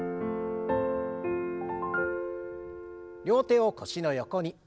両手を腰の横に。